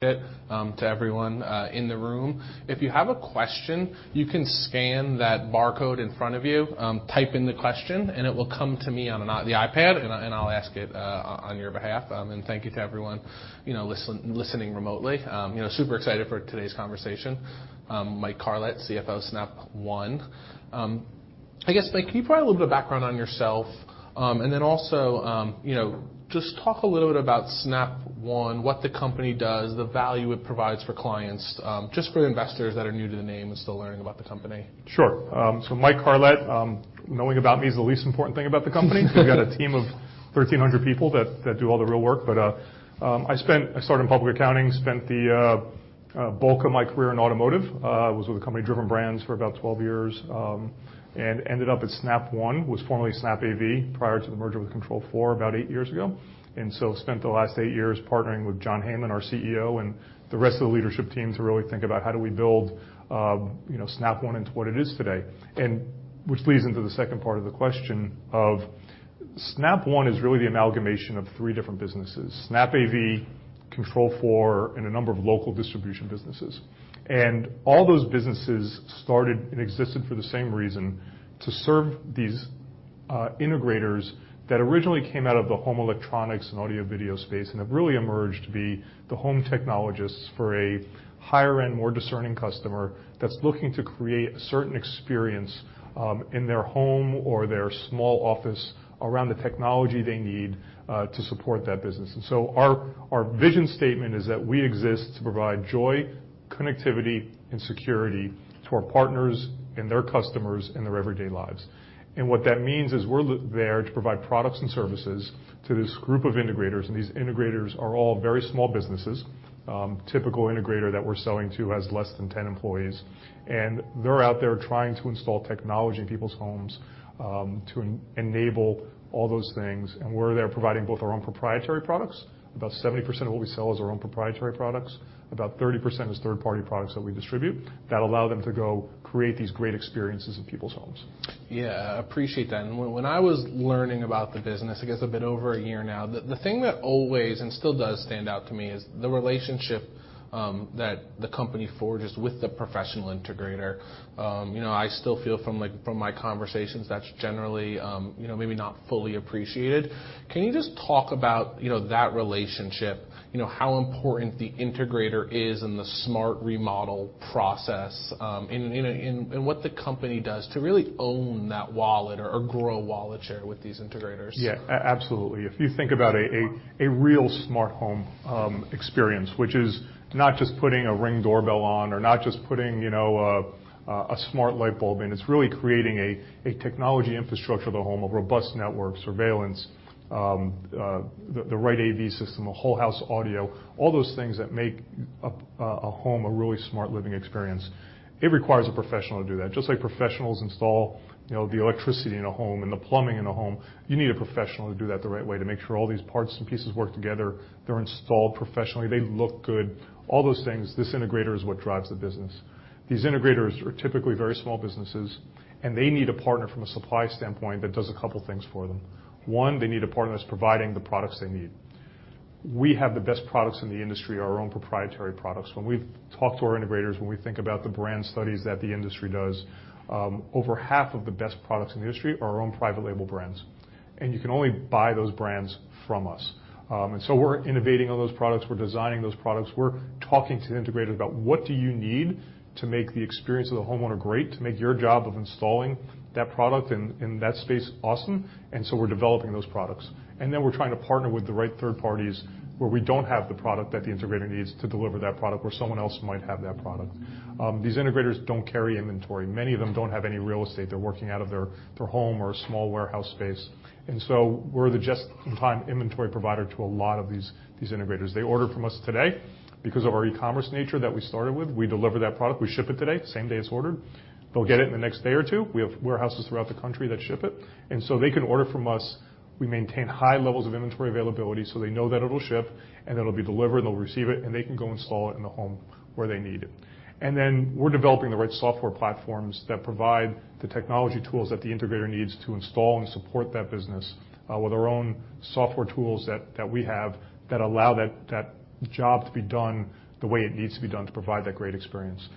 To everyone in the room. If you have a question, you can scan that barcode in front of you, type in the question, and it will come to me on the iPad, and I'll ask it on your behalf. Thank you to everyone, you know, listening remotely. You know, super excited for today's conversation. Michael Carlet, CFO Snap One. I guess, Mike, can you provide a little bit of background on yourself, and then also, you know, just talk a little bit about Snap One, what the company does, the value it provides for clients, just for the investors that are new to the name and still learning about the company. Sure. Michael Carlet, knowing about me is the least important thing about the company. We've got a team of 1,300 people that do all the real work. I started in public accounting, spent the bulk of my career in automotive. Was with a company Driven Brands for about 12 years, and ended up at Snap One. Was formerly SnapAV prior to the merger with Control4 about 8 years ago. Spent the last 8 years partnering with John Heyman, our CEO, and the rest of the leadership team to really think about how do we build, you know, Snap One into what it is today. Which leads into the second part of the question of Snap One is really the amalgamation of three different businesses, SnapAV, Control4, and a number of local distribution businesses. All those businesses started and existed for the same reason, to serve these integrators that originally came out of the home electronics and audio-video space, and have really emerged to be the home technologists for a higher end, more discerning customer that's looking to create a certain experience in their home or their small office around the technology they need to support that business. Our vision statement is that we exist to provide joy, connectivity, and security to our partners and their customers in their everyday lives. What that means is we're there to provide products and services to this group of integrators, and these integrators are all very small businesses. Typical integrator that we're selling to has less than 10 employees, and they're out there trying to install technology in people's homes to enable all those things. We're there providing both our own proprietary products. About 70% of what we sell is our own proprietary products. About 30% is third-party products that we distribute that allow them to go create these great experiences in people's homes. Yeah, appreciate that. When I was learning about the business, I guess a bit over a year now, the thing that always and still does stand out to me is the relationship that the company forges with the professional integrator. You know, I still feel from like, from my conversations, that's generally, you know, maybe not fully appreciated. Can you just talk about, you know, that relationship? You know, how important the integrator is in the smart remodel process, and, you know, and what the company does to really own that wallet or grow wallet share with these integrators? Yeah. Absolutely. If you think about a real smart home experience, which is not just putting a Ring doorbell on or not just putting, you know, a smart light bulb in, it's really creating a technology infrastructure of the home, a robust network, surveillance, the right AV system, a whole house audio, all those things that make a home a really smart living experience. It requires a professional to do that. Just like professionals install, you know, the electricity in a home and the plumbing in a home, you need a professional to do that the right way to make sure all these parts and pieces work together, they're installed professionally, they look good. All those things, this integrator is what drives the business. These integrators are typically very small businesses, and they need a partner from a supply standpoint that does a couple things for them. One, they need a partner that's providing the products they need. We have the best products in the industry, our own proprietary products. When we've talked to our integrators, when we think about the brand studies that the industry does, over half of the best products in the industry are our own private label brands, and you can only buy those brands from us. We're innovating all those products. We're designing those products. We're talking to the integrators about what do you need to make the experience of the homeowner great, to make your job of installing that product in that space awesome. We're developing those products. We're trying to partner with the right third parties where we don't have the product that the integrator needs to deliver that product where someone else might have that product. These integrators don't carry inventory. Many of them don't have any real estate. They're working out of their home or a small warehouse space. We're the just-in-time inventory provider to a lot of these integrators. They order from us today. Because of our e-commerce nature that we started with, we deliver that product. We ship it today, same day as ordered. They'll get it in the next day or 2. We have warehouses throughout the country that ship it. They can order from us, we maintain high levels of inventory availability, so they know that it'll ship, and it'll be delivered, and they'll receive it, and they can go install it in the home where they need it. Then we're developing the right software platforms that provide the technology tools that the integrator needs to install and support that business, with our own software tools that we have that allow that job to be done the way it needs to be done to provide that great experience.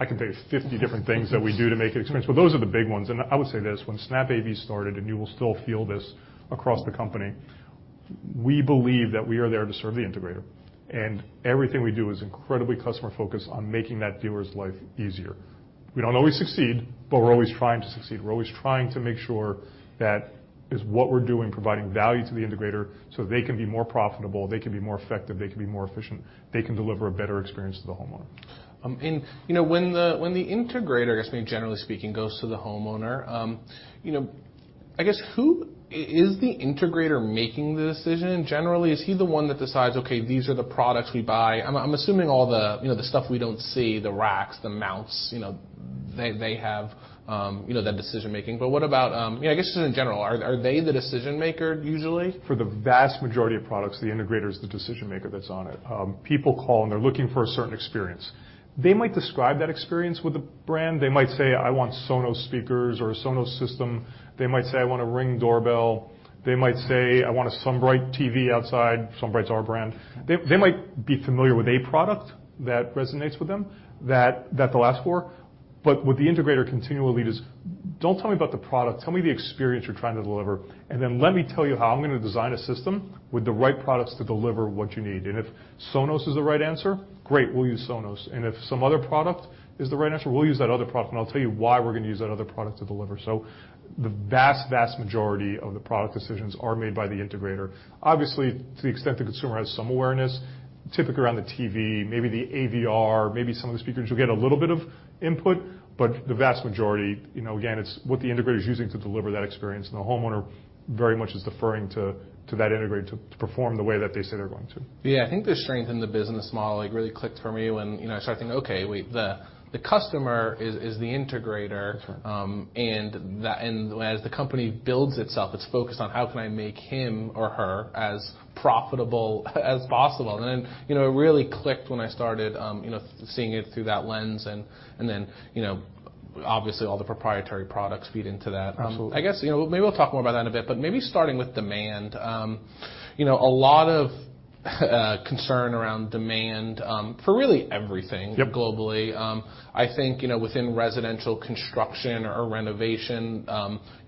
I could tell you 50 different things that we do to make an experience, but those are the big ones. I would say this, when SnapAV started, and you will still feel this across the company, we believe that we are there to serve the integrator, and everything we do is incredibly customer-focused on making that dealer's life easier. We don't always succeed, but we're always trying to succeed. We're always trying to make sure that is what we're doing providing value to the integrator so they can be more profitable, they can be more effective, they can be more efficient, they can deliver a better experience to the homeowner. You know, when the integrator, I guess maybe generally speaking, goes to the homeowner, you know, I guess who is the integrator making the decision? Generally, is he the one that decides, "Okay, these are the products we buy"? I'm assuming all the you know the stuff we don't see, the racks, the mounts, you know, they have that decision-making. What about you know I guess just in general, are they the decision-maker usually? For the vast majority of products, the integrator is the decision-maker that's on it. People call, and they're looking for a certain experience. They might describe that experience with a brand. They might say, "I want Sonos speakers or a Sonos system." They might say, "I want a Ring doorbell." They might say, "I want a SunBrite TV outside." SunBrite's our brand. They might be familiar with a product that resonates with them that they'll ask for. What the integrator continually does, don't tell me about the product, tell me the experience you're trying to deliver, and then let me tell you how I'm gonna design a system with the right products to deliver what you need. If Sonos is the right answer, great, we'll use Sonos. If some other product is the right answer, we'll use that other product, and I'll tell you why we're gonna use that other product to deliver. The vast majority of the product decisions are made by the integrator. Obviously, to the extent the consumer has some awareness, typically around the TV, maybe the AVR, maybe some of the speakers, you'll get a little bit of input, but the vast majority, you know, again, it's what the integrator is using to deliver that experience. The homeowner very much is deferring to that integrator to perform the way that they say they're going to. Yeah. I think the strength in the business model, like, really clicked for me when, you know, I started thinking, okay, wait, the customer is the integrator. That's right. As the company builds itself, it's focused on how can I make him or her as profitable as possible. You know, it really clicked when I started, you know, seeing it through that lens and then, you know, obviously all the proprietary products feed into that. Absolutely. I guess, you know, maybe we'll talk more about that in a bit, but maybe starting with demand, you know, a lot of, concern around demand, for really everything. Yep. Globally. I think, you know, within residential construction or renovation,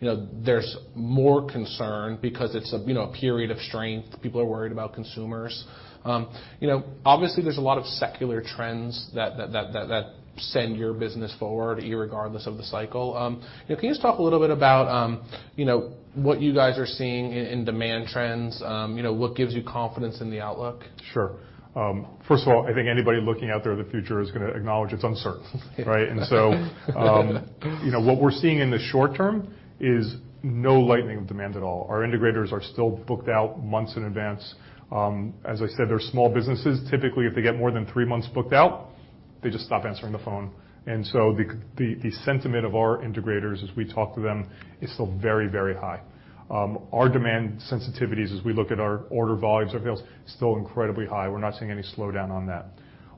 you know, there's more concern because it's a, you know, a period of strength. People are worried about consumers. You know, obviously there's a lot of secular trends that send your business forward irregardless of the cycle. You know, can you just talk a little bit about, you know, what you guys are seeing in demand trends? You know, what gives you confidence in the outlook? Sure. First of all, I think anybody looking out there in the future is gonna acknowledge it's uncertain, right? You know, what we're seeing in the short term is no lightening of demand at all. Our integrators are still booked out months in advance. As I said, they're small businesses. Typically, if they get more than 3 months booked out, they just stop answering the phone. The sentiment of our integrators as we talk to them is still very, very high. Our demand sensitivities as we look at our order volumes, everything else, still incredibly high. We're not seeing any slowdown on that.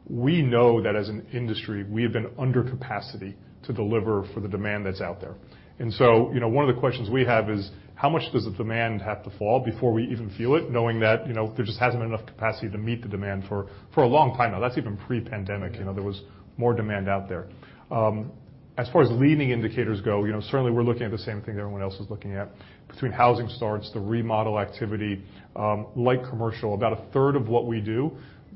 We know that as an industry, we have been under capacity to deliver for the demand that's out there you know, one of the questions we have is. How much does the demand have to fall before we even feel it, knowing that, you know, there just hasn't been enough capacity to meet the demand for a long time now. That's even pre-pandemic. You know, there was more demand out there. As far as leading indicators go, you know, certainly we're looking at the same thing everyone else is looking at, between housing starts, the remodel activity, light commercial. About a third of what we do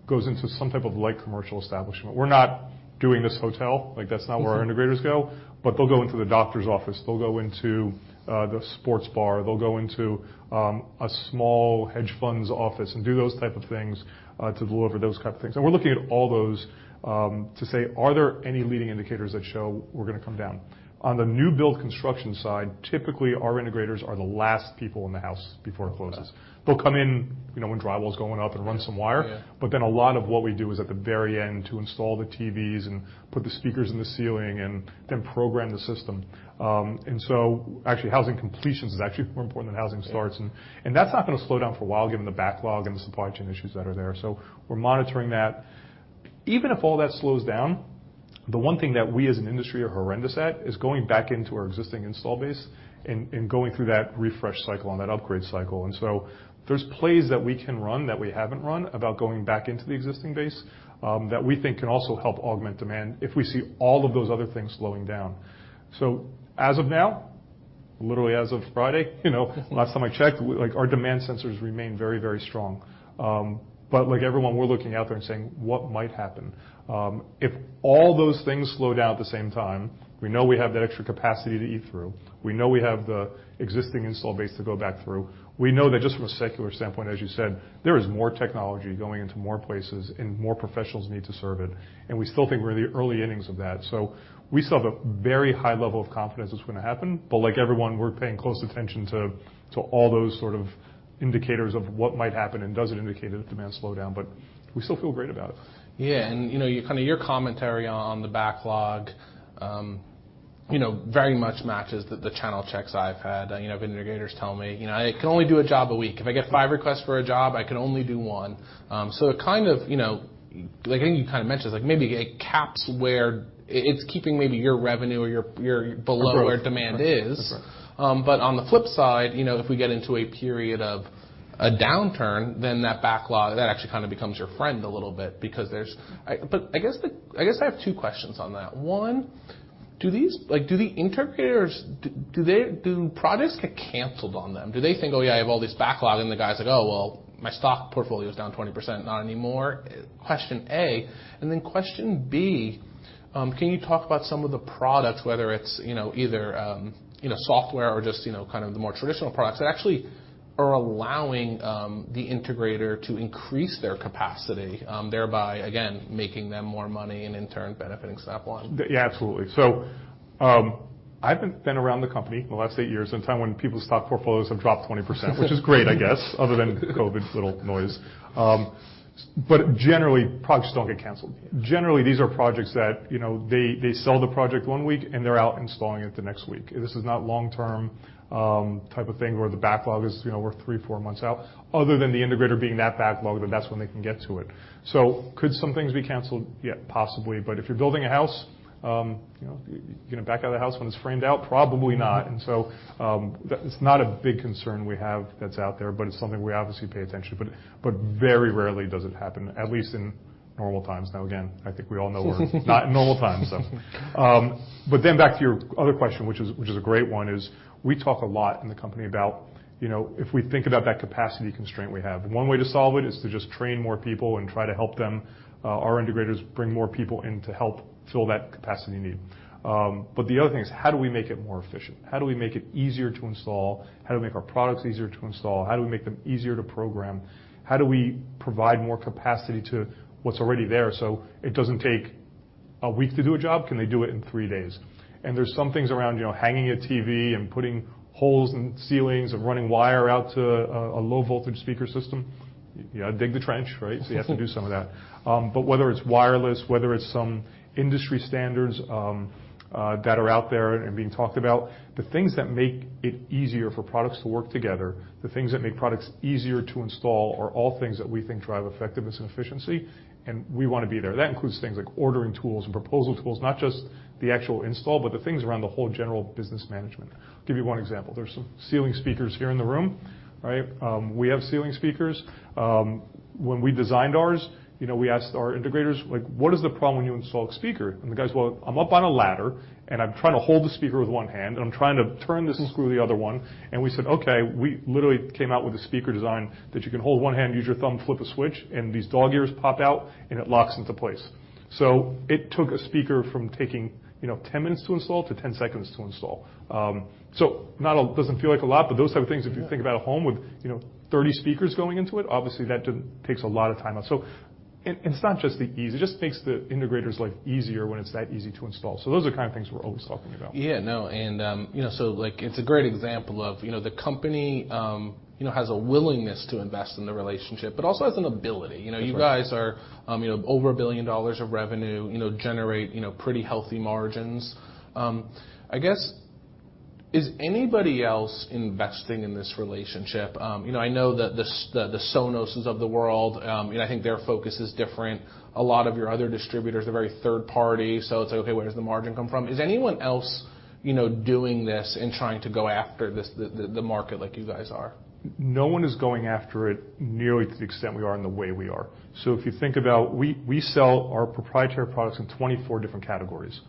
goes into some type of light commercial establishment. We're not doing this hotel. Like, that's not where our integrators go, but they'll go into the doctor's office, they'll go into the sports bar, they'll go into a small hedge fund's office and do those type of things to deliver those type of things. We're looking at all those, to say, are there any leading indicators that show we're gonna come down? On the new build construction side, typically, our integrators are the last people in the house before it closes. Okay. They'll come in, you know, when drywall's going up and run some wire. Yeah. A lot of what we do is at the very end to install the TVs and put the speakers in the ceiling and then program the system. Actually, housing completions is actually more important than housing starts. Yeah. That's not gonna slow down for a while given the backlog and the supply chain issues that are there. We're monitoring that. Even if all that slows down, the one thing that we as an industry are horrendous at is going back into our existing install base and going through that refresh cycle and that upgrade cycle. There's plays that we can run that we haven't run about going back into the existing base that we think can also help augment demand if we see all of those other things slowing down. As of now, literally as of Friday, you know, last time I checked, like, our demand sensors remain very, very strong. Like everyone, we're looking out there and saying, "What might happen?" If all those things slow down at the same time, we know we have that extra capacity to eat through. We know we have the existing install base to go back through. We know that just from a secular standpoint, as you said, there is more technology going into more places and more professionals need to serve it, and we still think we're the early innings of that. We still have a very high level of confidence it's gonna happen. Like everyone, we're paying close attention to all those sort of indicators of what might happen and does it indicate a demand slowdown, but we still feel great about it. Yeah. You know, kinda your commentary on the backlog, you know, very much matches the channel checks I've had. You know, if integrators tell me, "You know, I can only do a job a week. If I get five requests for a job, I can only do one." It kind of, you know, like, I think you kinda mentioned, like, maybe it caps where. It's keeping maybe your revenue or your. Below where demand is. That's right. On the flip side, you know, if we get into a period of a downturn, then that backlog, that actually kinda becomes your friend a little bit. I guess I have two questions on that. One, like, do the integrators' projects get canceled on them? Do they think, "Oh, yeah, I have all this backlog," and the guy's like, "Oh, well, my stock portfolio is down 20%, not anymore," question A. Question B, can you talk about some of the products, whether it's, you know, either, you know, software or just, you know, kind of the more traditional products that actually are allowing the integrator to increase their capacity, thereby, again, making them more money and in turn benefiting Snap One? Yeah, absolutely. I've been around the company in the last 8 years since time when people's stock portfolios have dropped 20% which is great, I guess, other than COVID's little noise. Generally, projects don't get canceled. Generally, these are projects that, you know, they sell the project 1 week and they're out installing it the next week. This is not long-term type of thing where the backlog is, you know, we're 3-4 months out, other than the integrator being that backlogged, but that's when they can get to it. Could some things be canceled? Yeah, possibly. If you're building a house, you know, you gonna back out of the house when it's framed out? Probably not. It's not a big concern we have that's out there, but it's something we obviously pay attention. Very rarely does it happen, at least in normal times. Now again, I think we all know we're not in normal times, so. Then back to your other question, which is a great one, is we talk a lot in the company about, you know, if we think about that capacity constraint we have, and one way to solve it is to just train more people and try to help them, our integrators bring more people in to help fill that capacity need. The other thing is. How do we make it more efficient? How do we make it easier to install? How do we make our products easier to install? How do we make them easier to program? How do we provide more capacity to what's already there, so it doesn't take a week to do a job? Can they do it in 3 days? There's some things around, you know, hanging a TV and putting holes in ceilings and running wire out to a low-voltage speaker system. You gotta dig the trench, right? You have to do some of that. Whether it's wireless, whether it's some industry standards that are out there and being talked about, the things that make it easier for products to work together, the things that make products easier to install are all things that we think drive effectiveness and efficiency, and we wanna be there. That includes things like ordering tools and proposal tools, not just the actual install, but the things around the whole general business management. Give you one example. There's some ceiling speakers here in the room, right? We have ceiling speakers. When we designed ours, you know, we asked our integrators, like, "What is the problem when you install a speaker?" And the guy's, "Well, I'm up on a ladder, and I'm trying to hold the speaker with one hand, and I'm trying to turn this and screw the other one." We said, "Okay." We literally came out with a speaker design that you can hold one hand, use your thumb, flip a switch, and these dog ears pop out, and it locks into place. It took a speaker from taking, you know, 10 minutes to install to 10 seconds to install. Doesn't feel like a lot, but those type of things. Yeah. If you think about a home with, you know, 30 speakers going into it, obviously that takes a lot of time out. It's not just the ease. It just makes the integrator's life easier when it's that easy to install. Those are kind of things we're always talking about. Yeah, no. You know, so, like, it's a great example of, you know, the company, you know, has a willingness to invest in the relationship but also has an ability. That's right. You know, you guys are over $1 billion of revenue, you know, generate pretty healthy margins. I guess, is anybody else investing in this relationship? You know, I know that the Sonos of the world, you know, I think their focus is different. A lot of your other distributors are very third party, so it's like, okay, where does the margin come from? Is anyone else, you know, doing this and trying to go after this, the market like you guys are? No one is going after it nearly to the extent we are and the way we are. If you think about, we sell our proprietary products in 24 different categories.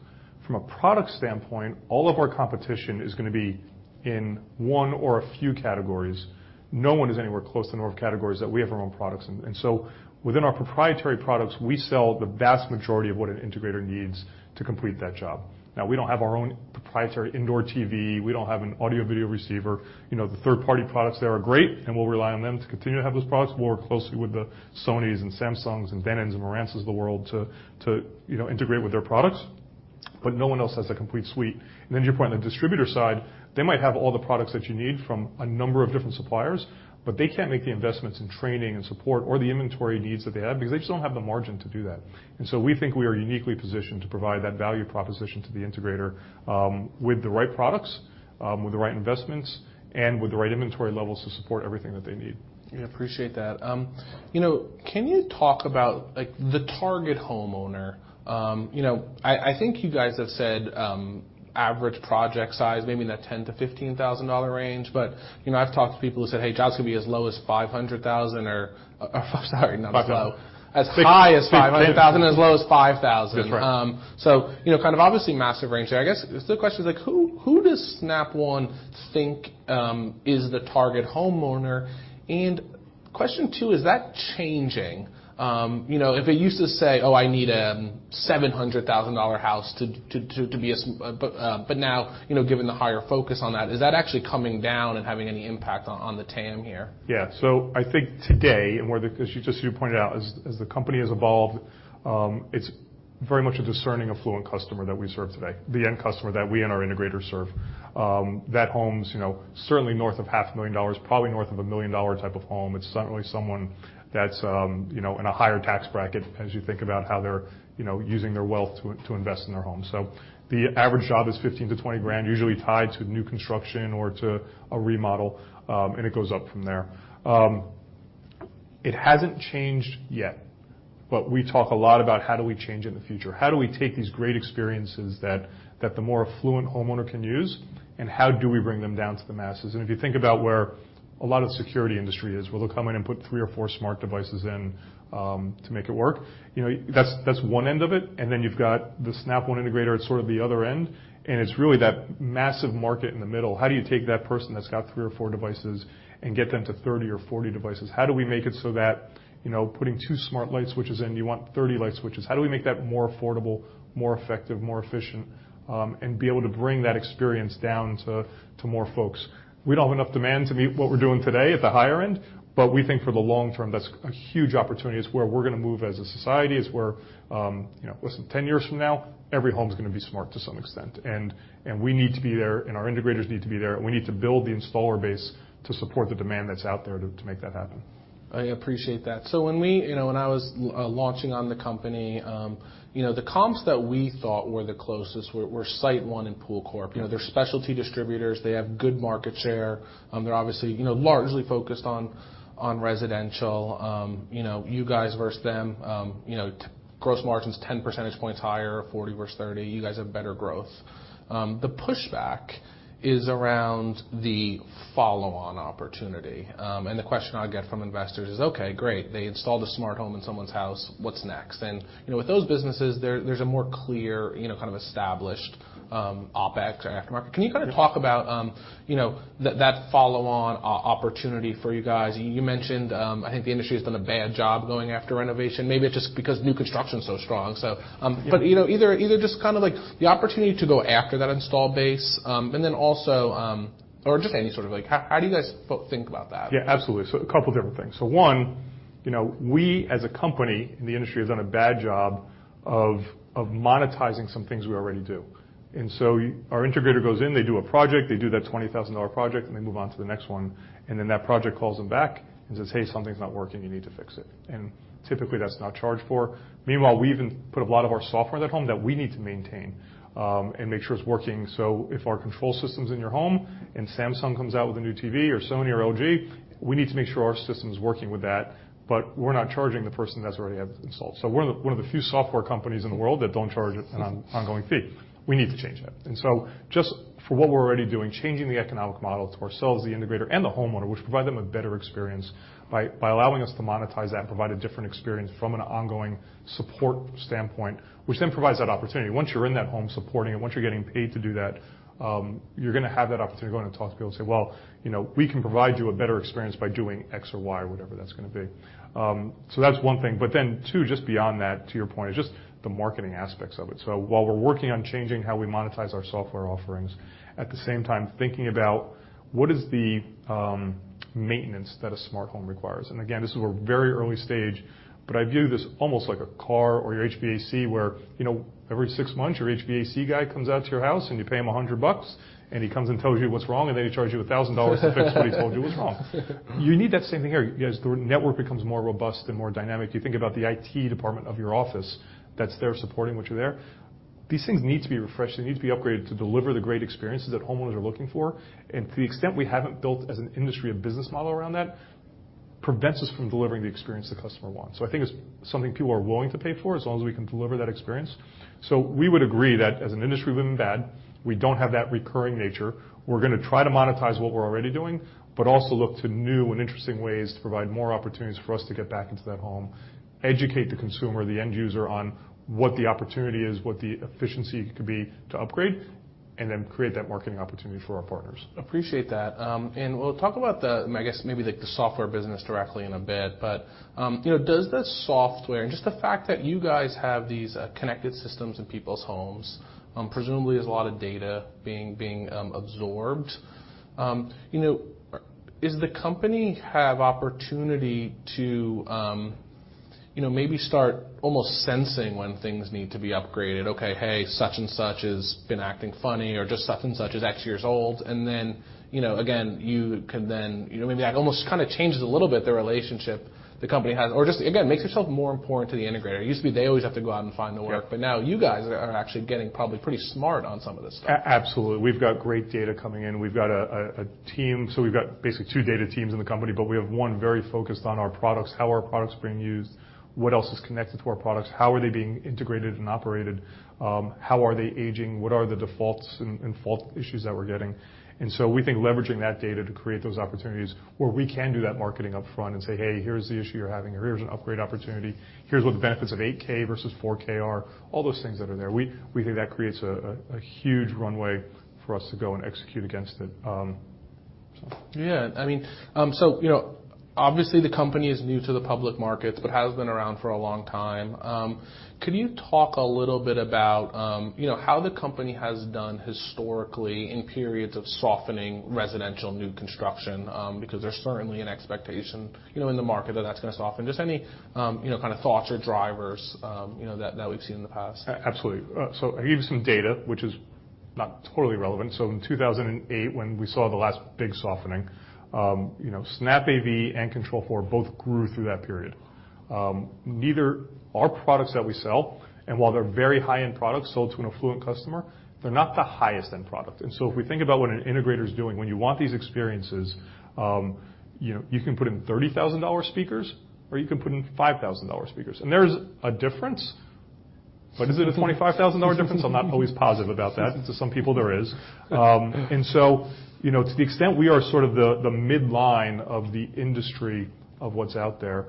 From a product standpoint, all of our competition is gonna be in one or a few categories. No one is anywhere close to the number of categories that we have our own products in. Within our proprietary products, we sell the vast majority of what an integrator needs to complete that job. Now, we don't have our own proprietary indoor TV. We don't have an audio-video receiver. You know, the third-party products there are great, and we'll rely on them to continue to have those products. We'll work closely with the Sonys and Samsungs and Denons and Marantzs of the world to, you know, integrate with their products, but no one else has a complete suite. To your point, on the distributor side, they might have all the products that you need from a number of different suppliers, but they can't make the investments in training and support or the inventory needs that they have because they just don't have the margin to do that. We think we are uniquely positioned to provide that value proposition to the integrator, with the right products, with the right investments, and with the right inventory levels to support everything that they need. Yeah, appreciate that. You know, can you talk about, like, the target homeowner? You know, I think you guys have said, average project size, maybe in that $10,000-$15,000 dollar range, but, you know, I've talked to people who said, "Hey, jobs can be as low as $500,000." Sorry, not as low. As high as $500,000. As low as $5,000. That's right. You know, kind of obviously massive range there. I guess the question is like, who does Snap One think is the target homeowner? Question two: Is that changing? You know, if it used to say, "Oh, I need a $700,000 house to be." Now, given the higher focus on that, is that actually coming down and having any impact on the TAM here? I think today 'cause you just pointed out, as the company has evolved, it's very much a discerning affluent customer that we serve today, the end customer that we and our integrators serve. That home's, you know, certainly north of $500,000, probably north of a $1 million-dollar type of home. It's certainly someone that's, you know, in a higher tax bracket as you think about how they're using their wealth to invest in their home. The average job is $15,000-$20,000, usually tied to new construction or to a remodel, and it goes up from there. It hasn't changed yet, but we talk a lot about how do we change in the future? How do we take these great experiences that the more affluent homeowner can use, and how do we bring them down to the masses? If you think about where a lot of the security industry is, where they'll come in and put three or four smart devices in to make it work, you know, that's one end of it, and then you've got the Snap One integrator at sort of the other end, and it's really that massive market in the middle. How do you take that person that's got three or four devices and get them to 30 or 40 devices? How do we make it so that, you know, putting two smart light switches in, you want 30 light switches? How do we make that more affordable, more effective, more efficient, and be able to bring that experience down to more folks? We don't have enough demand to meet what we're doing today at the higher end, but we think for the long term, that's a huge opportunity. It's where we're gonna move as a society. It's where, you know, listen, 10 years from now, every home's gonna be smart to some extent, and we need to be there, and our integrators need to be there, and we need to build the installer base to support the demand that's out there to make that happen. I appreciate that. When we, you know, when I was launching on the company, you know, the comps that we thought were the closest were SiteOne and Pool Corporation. You know, they're specialty distributors. They have good market share. They're obviously, you know, largely focused on residential. You know, you guys versus them, you know, Gross margin's 10 percentage points higher, 40% versus 30%. You guys have better growth. The pushback is around the follow-on opportunity. The question I get from investors is, "Okay, great. They installed a smart home in someone's house. What's next?" You know, with those businesses, there's a more clear, you know, kind of established OpEx or aftermarket. Can you kind of talk about, you know, that follow-on opportunity for you guys? You mentioned, I think the industry has done a bad job going after renovation. Maybe it's just because new construction is so strong. You know, either just kinda like the opportunity to go after that installed base, and then also, or just any sort of like how do you guys think about that? Yeah, absolutely. A couple different things. One, you know, we as a company and the industry has done a bad job of monetizing some things we already do. Our integrator goes in, they do a project, they do that $20,000 project, and they move on to the next one. That project calls them back and says, "Hey, something's not working. You need to fix it." Typically, that's not charged for. Meanwhile, we even put a lot of our software in that home that we need to maintain, and make sure it's working. If our control system's in your home and Samsung comes out with a new TV or Sony or LG, we need to make sure our system is working with that, but we're not charging the person that's already had it installed. We're one of the few software companies in the world that don't charge an on-ongoing fee. We need to change that. Just for what we're already doing, changing the economic model to ourselves, the integrator and the homeowner, which provide them a better experience by allowing us to monetize that and provide a different experience from an ongoing support standpoint, which then provides that opportunity. Once you're in that home supporting it, once you're getting paid to do that, you're gonna have that opportunity to go in and talk to people and say, "Well, you know, we can provide you a better experience by doing X or Y," whatever that's gonna be. That's one thing. Two, just beyond that, to your point, is just the marketing aspects of it. While we're working on changing how we monetize our software offerings, at the same time thinking about what is the maintenance that a smart home requires. Again, this is a very early stage, but I view this almost like a car or your HVAC, where, you know, every 6 months, your HVAC guy comes out to your house, and you pay him $100, and he comes and tells you what's wrong, and then he charges you $1,000 to fix what he told you was wrong. You need that same thing here. As the network becomes more robust and more dynamic, you think about the IT department of your office that's there supporting what you're there. These things need to be refreshed, they need to be upgraded to deliver the great experiences that homeowners are looking for. To the extent we haven't built as an industry, a business model around that prevents us from delivering the experience the customer wants. I think it's something people are willing to pay for as long as we can deliver that experience. We would agree that as an industry, we've been bad. We don't have that recurring nature. We're gonna try to monetize what we're already doing, but also look to new and interesting ways to provide more opportunities for us to get back into that home, educate the consumer, the end user, on what the opportunity is, what the efficiency could be to upgrade, and then create that marketing opportunity for our partners. Appreciate that. We'll talk about the, I guess, maybe like the software business directly in a bit. You know, does the software, just the fact that you guys have these connected systems in people's homes, presumably there's a lot of data being absorbed. You know, is the company have opportunity to, you know, maybe start almost sensing when things need to be upgraded? Okay, hey, such and such has been acting funny or just such and such is X years old. You know, again, you can then, you know, maybe that almost kinda changes a little bit the relationship the company has or just, again, makes yourself more important to the integrator. It used to be they always have to go out and find the work. Yeah. Now you guys are actually getting probably pretty smart on some of this stuff. Absolutely. We've got great data coming in. We've got a team. We've got basically two data teams in the company, but we have one very focused on our products, how our products are being used, what else is connected to our products, how they are being integrated and operated, how they are aging, what are the defaults and fault issues that we're getting. We think leveraging that data to create those opportunities where we can do that marketing upfront and say, "Hey, here's the issue you're having," or, "Here's an upgrade opportunity. Here's what the benefits of 8K versus 4K are." All those things that are there. We think that creates a huge runway for us to go and execute against it. Yeah. I mean, so, you know, obviously the company is new to the public markets, but has been around for a long time. Could you talk a little bit about, you know, how the company has done historically in periods of softening residential new construction? Because there's certainly an expectation, you know, in the market that that's gonna soften. Just any, you know, kind of thoughts or drivers, you know, that we've seen in the past. Absolutely. I'll give you some data which is not totally relevant. In 2008 when we saw the last big softening, you know, SnapAV and Control4 both grew through that period. Neither are products that we sell, and while they're very high-end products sold to an affluent customer, they're not the highest end product. If we think about what an integrator is doing, when you want these experiences, you know, you can put in $30,000 speakers or you can put in $5,000 speakers. There's a difference. Is it a $25,000 difference? I'm not always positive about that. To some people, there is. You know, to the extent we are sort of the midline of the industry of what's out there,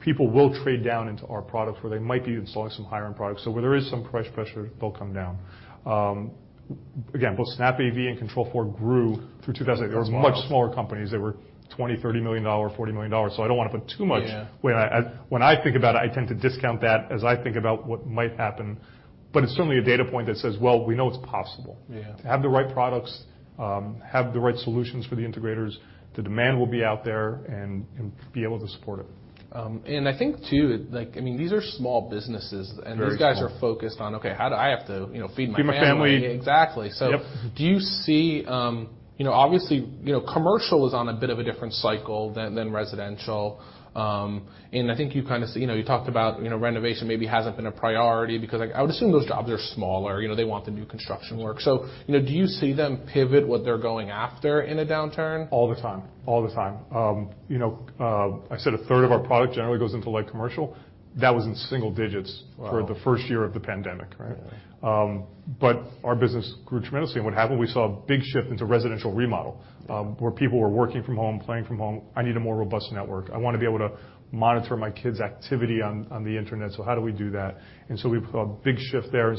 people will trade down into our products where they might be installing some higher-end products. Where there is some price pressure, they'll come down. Again, both SnapAV and Control4 grew through 2000. They were much smaller companies. They were $20 million, $30 million, $40 million. I don't wanna put too much. Yeah. When I think about it, I tend to discount that as I think about what might happen, but it's certainly a data point that says, "Well, we know it's possible. Yeah. To have the right products, have the right solutions for the integrators, the demand will be out there and be able to support it. I think too, like, I mean, these are small businesses. Very small. These guys are focused on, okay, how do I have to, you know, feed my family. Feed my family. Exactly. Yep. Do you see, you know, obviously, you know, commercial is on a bit of a different cycle than residential. I think you know, you talked about, you know, renovation maybe hasn't been a priority because, like, I would assume those jobs are smaller. You know, they want the new construction work. You know, do you see them pivot what they're going after in a downturn? All the time. You know, I said a third of our product generally goes into light commercial. That was in single digits. Wow. For the first year of the pandemic, right? Yeah. Our business grew tremendously. What happened, we saw a big shift into residential remodel, where people were working from home, playing from home. I need a more robust network. I wanna be able to monitor my kids' activity on the internet, so how do we do that? We saw a big shift there.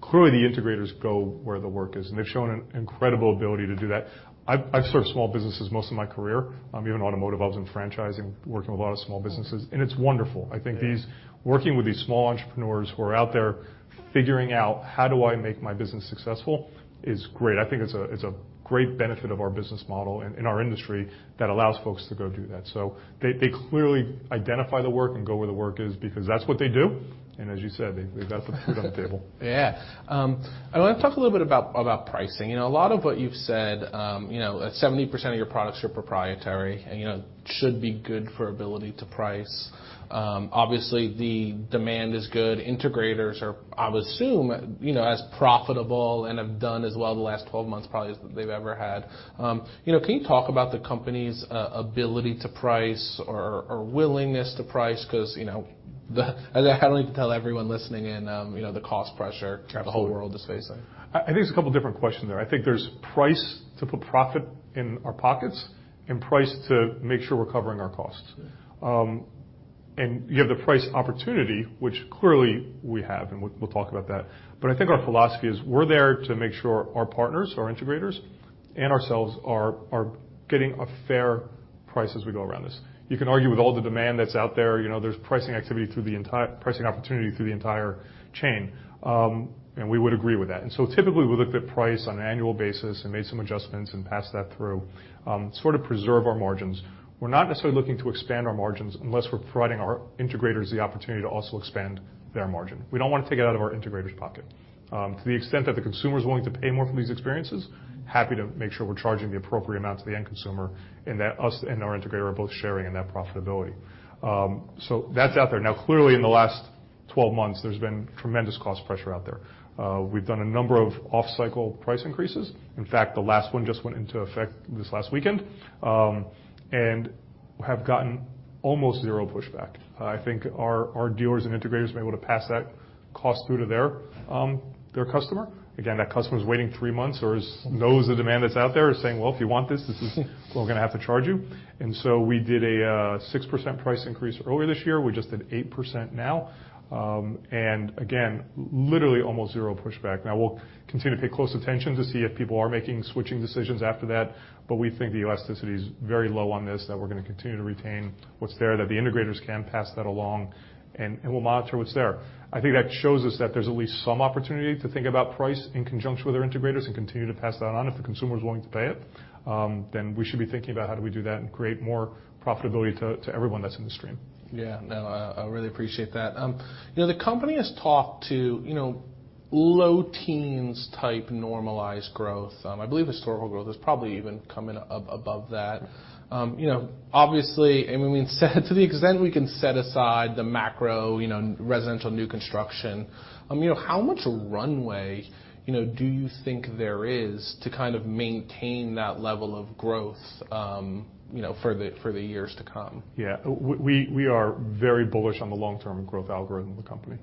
Clearly, the integrators go where the work is, and they've shown an incredible ability to do that. I've served small businesses most of my career. Even automotive, I was in franchising, working with a lot of small businesses, and it's wonderful. Yeah. I think working with these small entrepreneurs who are out there figuring out, "How do I make my business successful?" is great. I think it's a great benefit of our business model in our industry that allows folks to go do that. They clearly identify the work and go where the work is because that's what they do. As you said, they've got to put food on the table. Yeah. I wanna talk a little bit about pricing. You know, a lot of what you've said, you know, that 70% of your products are proprietary and, you know, should be good for ability to price. Obviously, the demand is good. Integrators are, I would assume, you know, as profitable and have done as well the last 12 months probably as they've ever had. You know, can you talk about the company's ability to price or willingness to price? 'Cause you know, I don't need to tell everyone listening in, you know, the cost pressure. Absolutely. The whole world is facing. I think there's a couple different questions there. I think there's price to put profit in our pockets and price to make sure we're covering our costs. Yeah. You have the price opportunity, which clearly we have, and we'll talk about that. I think our philosophy is we're there to make sure our partners, our integrators and ourselves are getting a fair price as we go around this. You can argue with all the demand that's out there. You know, there's pricing opportunity through the entire chain, and we would agree with that. Typically, we looked at price on an annual basis and made some adjustments and passed that through, to sort of preserve our margins. We're not necessarily looking to expand our margins unless we're providing our integrators the opportunity to also expand their margin. We don't wanna take it out of our integrator's pocket. To the extent that the consumer is willing to pay more for these experiences, happy to make sure we're charging the appropriate amount to the end consumer and that us and our integrator are both sharing in that profitability. That's out there. Now, clearly, in the last 12 months, there's been tremendous cost pressure out there. We've done a number of off-cycle price increases. In fact, the last one just went into effect this last weekend, and have gotten almost zero pushback. I think our dealers and integrators have been able to pass that cost through to their customer. Again, that customer's waiting 3 months or knows the demand that's out there and saying, "Well, if you want this is what we're gonna have to charge you." We did a 6% price increase earlier this year. We just did 8% now. Again, literally almost zero pushback. Now, we'll continue to pay close attention to see if people are making switching decisions after that, but we think the elasticity is very low on this, that we're gonna continue to retain what's there, that the integrators can pass that along, and we'll monitor what's there. I think that shows us that there's at least some opportunity to think about price in conjunction with our integrators and continue to pass that on. If the consumer is willing to pay it, then we should be thinking about how do we do that and create more profitability to everyone that's in the stream. Yeah. No, I really appreciate that. You know, the company has talked to, you know, low teens type normalized growth. I believe historical growth has probably even come in above that. You know, obviously, I mean, to the extent we can set aside the macro, you know, residential new construction, you know, how much runway, you know, do you think there is to kind of maintain that level of growth, you know, for the years to come? Yeah. We are very bullish on the long-term growth algorithm of the company.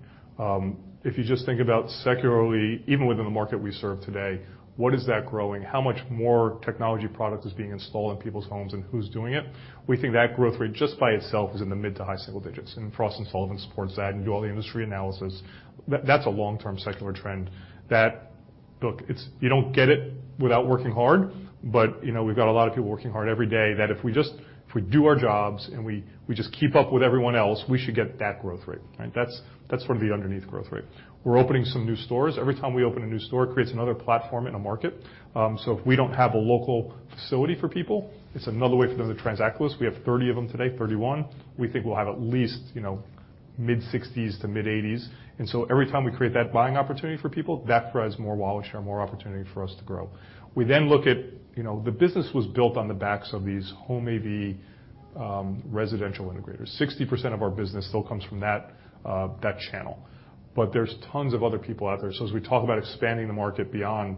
If you just think about secularly, even within the market we serve today, what is that growing? How much more technology product is being installed in people's homes, and who's doing it? We think that growth rate just by itself is in the mid- to high-single digits%, and Frost & Sullivan supports that and do all the industry analysis. That's a long-term secular trend that. Look, it's you don't get it without working hard, but you know, we've got a lot of people working hard every day that if we do our jobs and we just keep up with everyone else, we should get that growth rate, right? That's sort of the underneath growth rate. We're opening some new stores. Every time we open a new store, it creates another platform in a market. If we don't have a local facility for people, it's another way for them to transact with us. We have 30 of them today, 31. We think we'll have at least mid-60s to mid-80s. Every time we create that buying opportunity for people, that provides more wallet share, more opportunity for us to grow. We then look at the business was built on the backs of these home AV, residential integrators. 60% of our business still comes from that channel. There's tons of other people out there. As we talk about expanding the market beyond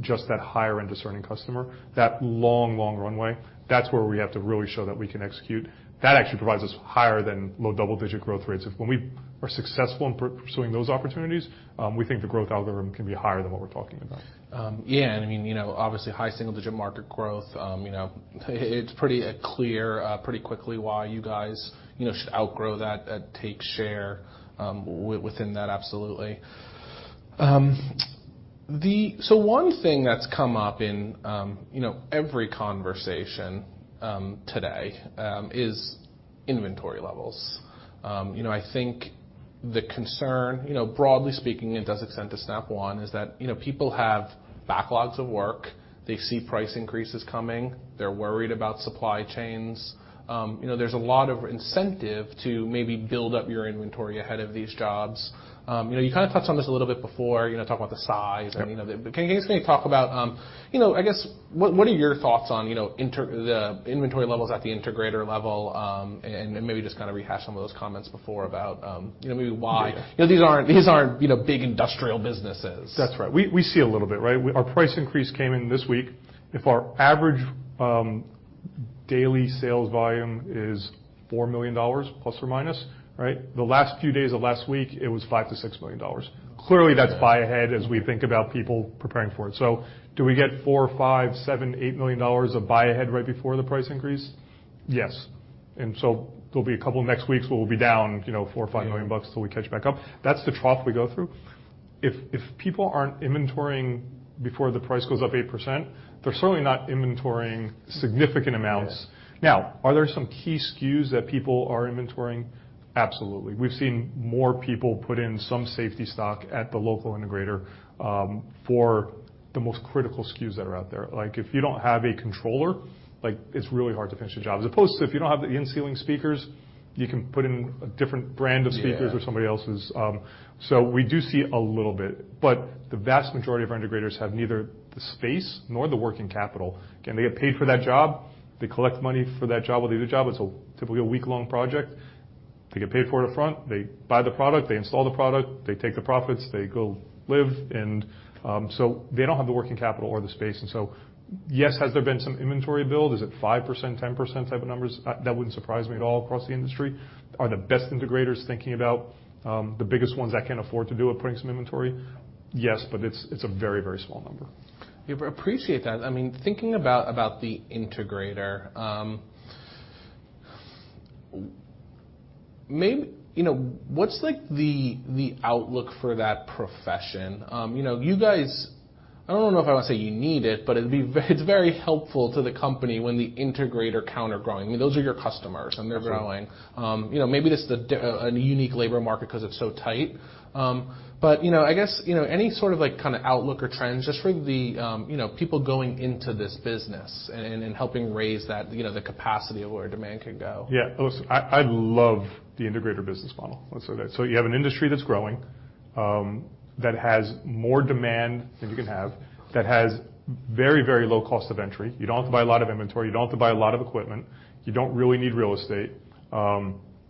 just that higher-end discerning customer, that long, long runway, that's where we have to really show that we can execute. That actually provides us higher than low double-digit growth rates. If when we are successful in pursuing those opportunities, we think the growth algorithm can be higher than what we're talking about. Yeah, and I mean, you know, obviously, high single-digit market growth. You know, it's pretty clear pretty quickly why you guys, you know, should outgrow that, take share within that. Absolutely. One thing that's come up in, you know, every conversation today is inventory levels. You know, I think the concern, you know, broadly speaking, it does extend to Snap One, is that, you know, people have backlogs of work. They see price increases coming. They're worried about supply chains. You know, there's a lot of incentive to maybe build up your inventory ahead of these jobs. You know, you kinda touched on this a little bit before, you know, talking about the size. Yep. I mean, can you just kinda talk about, you know, I guess, what are your thoughts on, you know, the inventory levels at the integrator level, and maybe just kinda rehash some of those comments before about, you know, maybe why? Yeah. You know, these aren't, you know, big industrial businesses. That's right. We see a little bit, right? Our price increase came in this week. If our average daily sales volume is $4 million, plus or minus, right? The last few days of last week, it was $5 million-$6 million. Clearly, that's buy ahead as we think about people preparing for it. Do we get $4 million, $5 million, $7 million, $8 million of buy-ahead right before the price increase? Yes. There'll be a couple next weeks where we'll be down, you know, $4 million, $5 million bucks. Yeah. Until we catch back up. That's the trough we go through. If people aren't inventorying before the price goes up 8%, they're certainly not inventorying significant amounts. Yeah. Now, are there some key SKUs that people are inventorying? Absolutely. We've seen more people put in some safety stock at the local integrator for the most critical SKUs that are out there. Like, if you don't have a controller, like, it's really hard to finish a job. As opposed to if you don't have the in-ceiling speakers, you can put in a different brand of speakers. Yeah. or somebody else's. We do see a little bit, but the vast majority of our integrators have neither the space nor the working capital. Again, they get paid for that job. They collect money for that job or the other job. It's typically a week-long project. They get paid for it up front. They buy the product. They install the product. They take the profits. They go live. They don't have the working capital or the space. Yes, has there been some inventory build? Is it 5%, 10% type of numbers? That wouldn't surprise me at all across the industry. Are the best integrators thinking about the biggest ones that can afford to do it, putting some inventory? Yes, but it's a very, very small number. Yeah. Appreciate that. I mean, thinking about the integrator, you know, what's, like, the outlook for that profession? You know, you guys, I don't know if I wanna say you need it, but it's very helpful to the company when the integrator count is growing. I mean, those are your customers, and they're growing. Absolutely. You know, maybe this is a unique labor market 'cause it's so tight. You know, I guess, you know, any sort of like kinda outlook or trends just for the, you know, people going into this business and helping raise that, you know, the capacity of where demand can go. Yeah. Listen, I love the integrator business model. Let's say that. You have an industry that's growing, that has more demand than you can handle, that has very, very low cost of entry. You don't have to buy a lot of inventory. You don't have to buy a lot of equipment. You don't really need real estate.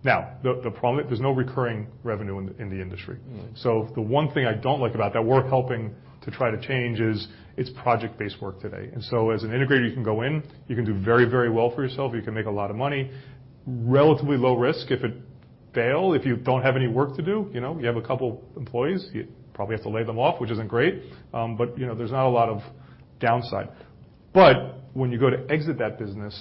Now, the problem, there's no recurring revenue in the industry. Mm-hmm. The one thing I don't like about that we're helping to try to change is it's project-based work today. As an integrator, you can go in, you can do very, very well for yourself. You can make a lot of money. Relatively low risk. If it fail, if you don't have any work to do, you know, you have a couple employees, you probably have to lay them off, which isn't great. You know, there's not a lot of downside. When you go to exit that business,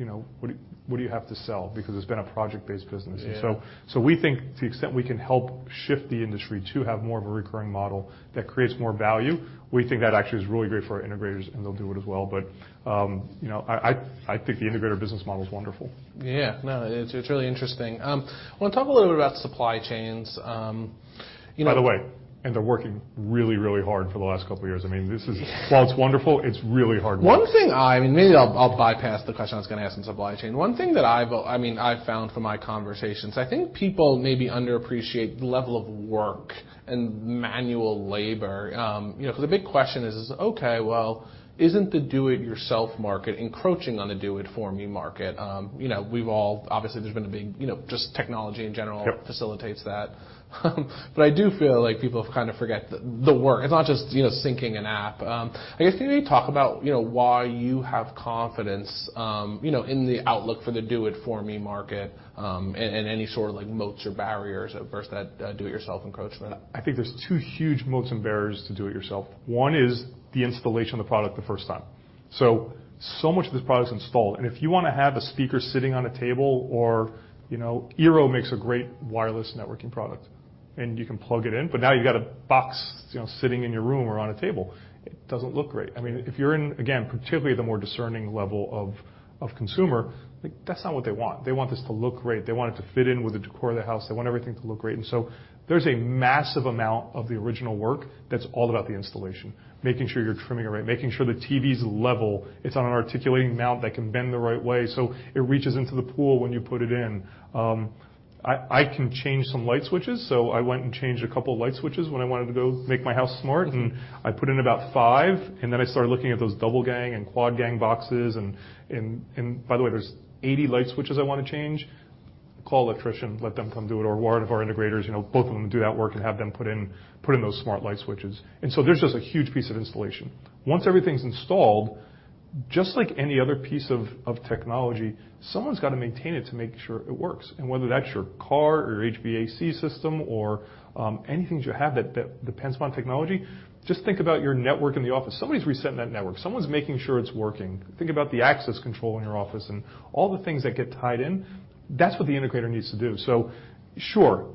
you know, what do you have to sell? Because it's been a project-based business. Yeah. We think to the extent we can help shift the industry to have more of a recurring model that creates more value, we think that actually is really great for our integrators, and they'll do it as well. You know, I think the integrator business model is wonderful. Yeah. No, it's really interesting. Wanna talk a little bit about supply chains. You know. By the way, they're working really, really hard for the last couple years. I mean. Yeah. While it's wonderful, it's really hard work. One thing, I mean, maybe I'll bypass the question I was gonna ask in supply chain. One thing, I mean, I've found from my conversations, I think people maybe underappreciate the level of work and manual labor. You know, 'cause the big question is, okay, well, isn't the do it yourself market encroaching on the do it for me market? You know, obviously, there's been a big, you know, just technology in general. Yep. facilitates that. I do feel like people kind of forget the work. It's not just, you know, syncing an app. I guess can you talk about, you know, why you have confidence, you know, in the outlook for the do it for me market, and any sort of like moats or barriers versus that do it yourself encroachment? I think there's two huge moats and barriers to do it yourself. One is the installation of the product the first time. so much of this product is installed, and if you wanna have a speaker sitting on a table or, you know, eero makes a great wireless networking product, and you can plug it in, but now you've got a box, you know, sitting in your room or on a table. It doesn't look great. I mean, if you're in, again, particularly the more discerning level of consumer. Yeah. Like, that's not what they want. They want this to look great. They want it to fit in with the decor of the house. They want everything to look great. There's a massive amount of the original work that's all about the installation, making sure you're trimming it right, making sure the TV's level, it's on an articulating mount that can bend the right way, so it reaches into the pool when you put it in. I can change some light switches, so I went and changed a couple light switches when I wanted to go make my house smart. Mm-hmm. I put in about five, and then I started looking at those double gang and quad gang boxes and by the way, there's 80 light switches I wanna change. Call electrician, let them come do it, or one of our integrators, you know, both of them do that work and have them put in those smart light switches. There's just a huge piece of installation. Once everything's installed, just like any other piece of technology, someone's gotta maintain it to make sure it works. Whether that's your car or your HVAC system or anything that you have that depends upon technology, just think about your network in the office. Somebody's resetting that network. Someone's making sure it's working. Think about the access control in your office and all the things that get tied in. That's what the integrator needs to do. Sure,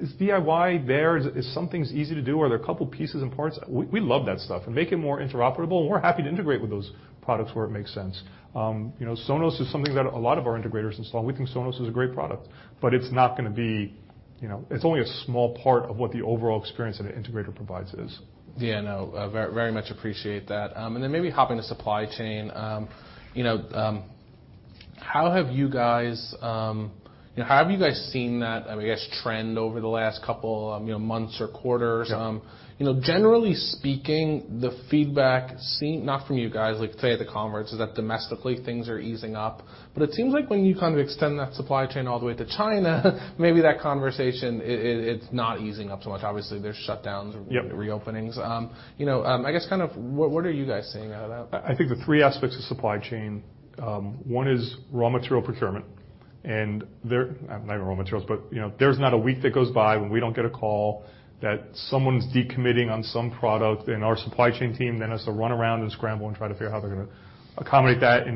is DIY there? Is some things easy to do? Are there a couple pieces and parts? We love that stuff. Make it more interoperable, and we're happy to integrate with those products where it makes sense. You know, Sonos is something that a lot of our integrators install. We think Sonos is a great product, but it's not gonna be, you know, it's only a small part of what the overall experience that an integrator provides is. Yeah, no. Very much appreciate that. Maybe hopping to supply chain. You know, how have you guys seen that, I guess, trend over the last couple, you know, months or quarters? Yeah. You know, generally speaking, the feedback, not from you guys, like say at the conference, is that domestically things are easing up. It seems like when you kind of extend that supply chain all the way to China, maybe that conversation, it's not easing up so much. Obviously, there's shutdowns. Yep. reopenings. You know, I guess kind of what are you guys seeing out of that? I think the three aspects of supply chain, one is raw material procurement. There not even raw materials, but, you know, there's not a week that goes by when we don't get a call that someone's decommitting on some product, and our supply chain team then has to run around and scramble and try to figure how they're gonna accommodate that.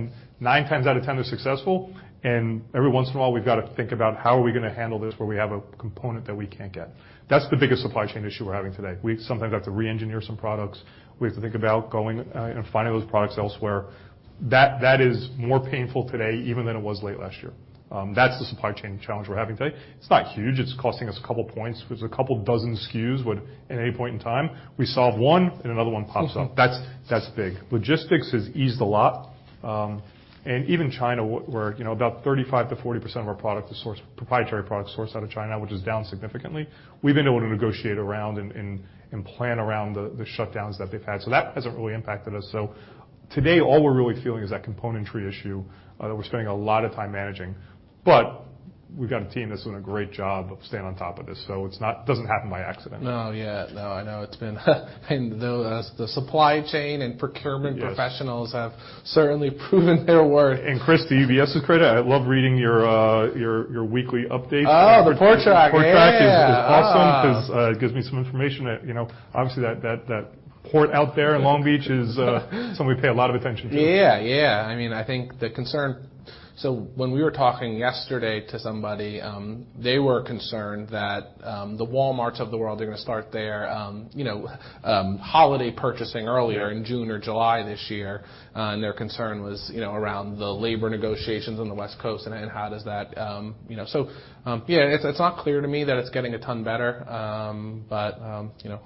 9x/10 they're successful, and every once in a while we've got to think about how are we gonna handle this where we have a component that we can't get. That's the biggest supply chain issue we're having today. We sometimes have to re-engineer some products. We have to think about going out and finding those products elsewhere. That is more painful today even than it was late last year. That's the supply chain challenge we're having today. It's not huge. It's costing us a couple points. There's a couple dozen SKUs would at any point in time, we solve one and another one pops up. Mm-hmm. That's big. Logistics has eased a lot. Even China where you know, about 35%-40% of our product is sourced, proprietary product sourced out of China, which is down significantly, we've been able to negotiate around and plan around the shutdowns that they've had. That hasn't really impacted us. Today, all we're really feeling is that componentry issue that we're spending a lot of time managing. We've got a team that's doing a great job of staying on top of this. It's not, it doesn't happen by accident. No. Yeah. No. I know it's been. The supply chain and procurement professionals have certainly proven their worth. Chris, the UBS is great. I love reading your weekly updates. Oh, the port track. Yeah. The port track is awesome 'cause it gives me some information that, you know, obviously that port out there in Long Beach is something we pay a lot of attention to. Yeah. I mean, I think the concern when we were talking yesterday to somebody, they were concerned that the Walmarts of the world are gonna start their you know holiday purchasing earlier. Yeah. In June or July this year. Their concern was, you know, around the labor negotiations on the West Coast and how does that, you know. Yeah, it's not clear to me that it's getting a ton better. You know,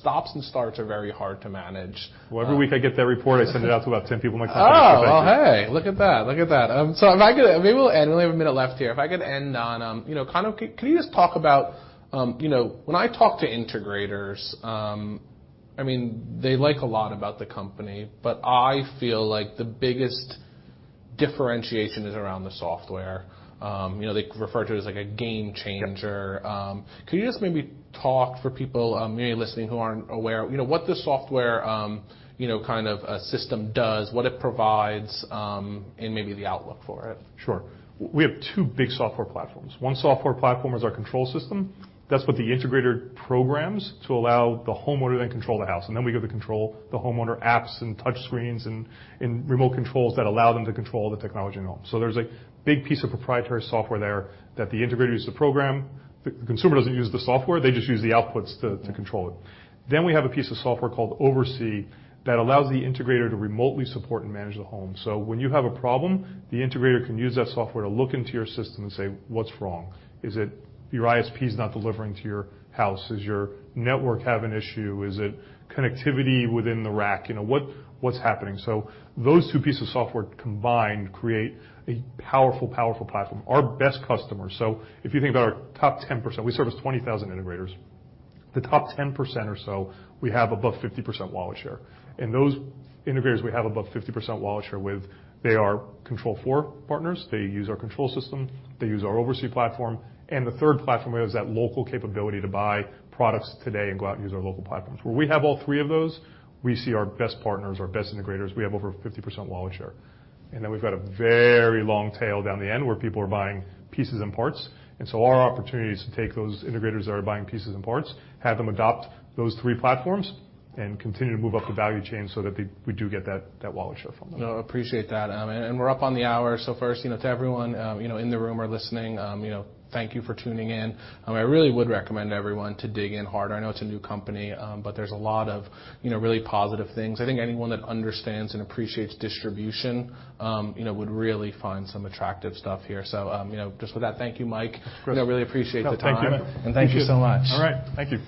stops and starts are very hard to manage. Well, every week I get that report, I send it out to about 10 people in my company. Oh, hey, look at that. So if I could, maybe we'll end, we only have a minute left here. If I could end on, you know, kind of can you just talk about, you know, when I talk to integrators, I mean, they like a lot about the company, but I feel like the biggest differentiation is around the software. You know, they refer to it as like a game changer. Yep. Could you just maybe talk for people maybe listening who aren't aware, you know, what the software, you know, kind of a system does, what it provides, and maybe the outlook for it? Sure. We have two big software platforms. One software platform is our control system. That's what the integrator programs to allow the homeowner then control the house, and then we give the control, the homeowner apps and touch screens and remote controls that allow them to control the technology in the home. There's a big piece of proprietary software there that the integrator uses to program. The consumer doesn't use the software. They just use the outputs to control it. We have a piece of software called OvrC that allows the integrator to remotely support and manage the home. When you have a problem, the integrator can use that software to look into your system and say, "What's wrong? Is it your ISP is not delivering to your house? Is your network have an issue? Is it connectivity within the rack? You know, what's happening? Those two pieces of software combined create a powerful platform. Our best customers, so if you think about our top 10%, we service 20,000 integrators. The top 10% or so, we have above 50% wallet share. Those integrators we have above 50% wallet share with, they are Control4 partners. They use our control system. They use our OvrC platform. The third platform we have is that local capability to buy products today and go out and use our local platforms. Where we have all three of those, we see our best partners, our best integrators. We have over 50% wallet share. Then we've got a very long tail down the end where people are buying pieces and parts. Our opportunity is to take those integrators that are buying pieces and parts, have them adopt those three platforms, and continue to move up the value chain so that they, we do get that wallet share from them. No, appreciate that. We're up on the hour. First, you know, to everyone, you know, in the room or listening, you know, thank you for tuning in. I really would recommend everyone to dig in harder. I know it's a new company, but there's a lot of, you know, really positive things. I think anyone that understands and appreciates distribution, you know, would really find some attractive stuff here. Just with that, thank you, Mike. Of course. You know, I really appreciate the time. No, thank you, man. Thank you so much. All right. Thank you.